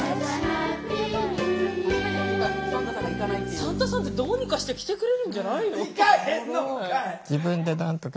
サンタさんってどうにかして来てくれるんじゃないの？